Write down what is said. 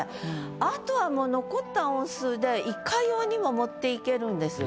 あとはもう残った音数でいかようにも持っていけるんです。